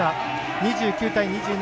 ２９対２７